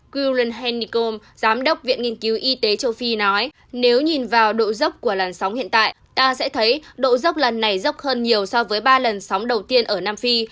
whennikom giám đốc viện nghiên cứu y tế châu phi nói nếu nhìn vào độ dốc của làn sóng hiện tại ta sẽ thấy độ dốc lần này dốc hơn nhiều so với ba lần sóng đầu tiên ở nam phi